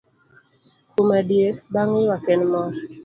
Kuom adier, bang' ywak en mor.